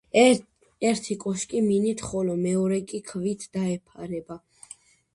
ერთი კოშკი მინით, ხოლო მეორე კი ქვით დაიფარება.